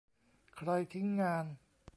ใครทิ้งงาน